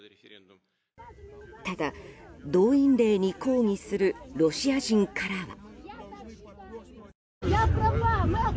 ただ、動員令に抗議するロシア人からは。